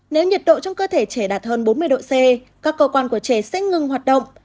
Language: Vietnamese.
nếu nhiệt độ trong cơ thể trẻ đạt hơn bốn mươi độ c các cơ quan của trẻ sẽ ngừng hoạt động